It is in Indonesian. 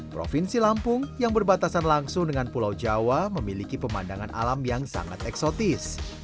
provinsi lampung yang berbatasan langsung dengan pulau jawa memiliki pemandangan alam yang sangat eksotis